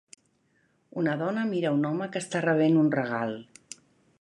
Una dona mira un home que està rebent un regal.